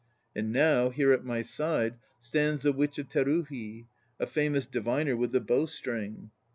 And now, here at my side, stands the witch of Teruhi, 1 a famous diviner with the bow string.